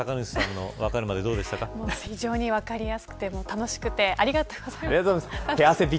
非常に分かりやすくて楽しくてありがとうございます。